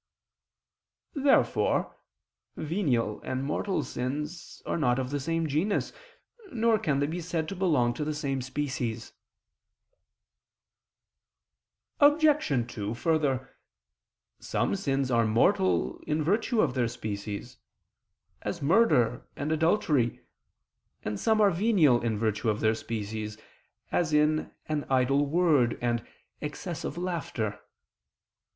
Therefore venial and mortal sins are not of the same genus, nor can they be said to belong to the same species. Obj. 2: Further, some sins are mortal in virtue of their species [*_Ex genere,_ genus in this case denoting the species], as murder and adultery; and some are venial in virtue of their species, as in an idle word, and excessive laughter.